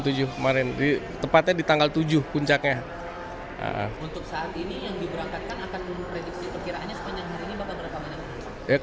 untuk saat ini yang diberangkatkan akan memprediksi perkiraannya sepanjang hari ini bapak berapa banyak